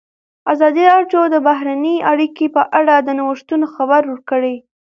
ازادي راډیو د بهرنۍ اړیکې په اړه د نوښتونو خبر ورکړی.